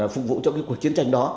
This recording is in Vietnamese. phục vụ cho cái cuộc chiến tranh đó